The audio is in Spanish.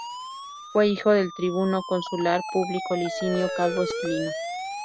Fue hijo del tribuno consular Publio Licinio Calvo Esquilino.